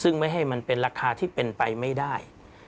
ซึ่งไม่ให้มันเป็นราคาที่เป็นไปไม่ได้